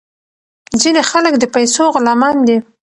ځینې خلک د پیسو غلامان دي.